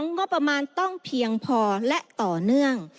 งบประมาณต้องเพียงพอและต่อเนื่อง